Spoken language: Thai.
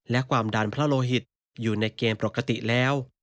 และความดันพระโลหิตอยู่ในเกณฑ์ปกติแล้ว